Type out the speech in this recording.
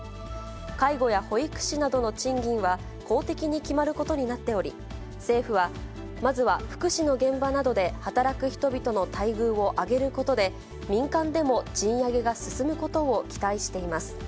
介護や保育士などの賃金は公的に決まることになっており、政府は、まずは福祉の現場などで働く人々の待遇を上げることで、民間でも賃上げが進むことを期待しています。